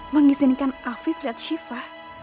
mengizinkan afif lihat siva